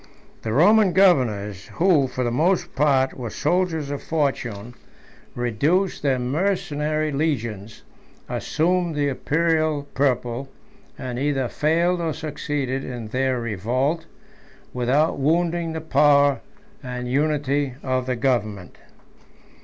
The Roman governors, who, for the most part, were soldiers of fortune, seduced their mercenary legions, assumed the Imperial purple, and either failed or succeeded in their revolt, without wounding the power and unity of government.